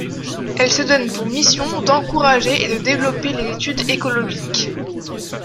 Elle se donne pour mission d’encourager et de développer les études écologiques.